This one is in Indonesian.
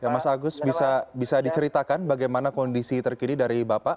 mas agus bisa diceritakan bagaimana kondisi terkini dari bapak